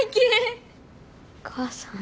お母さん。